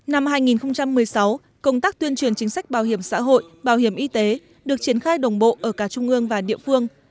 năm hai nghìn một mươi sáu công tác tuyên truyền chính sách bảo hiểm xã hội bảo hiểm y tế được triển khai đồng bộ ở cả trung ương và địa phương